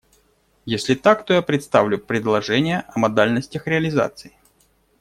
Если так, то я представлю предложение о модальностях реализации.